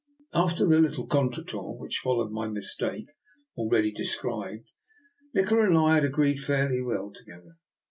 After the little contretemps which followed my mis take, already described, Nikola and I had agreed fairly well together.